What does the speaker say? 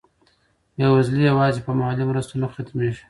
بېوزلي یوازې په مالي مرستو نه ختمېږي.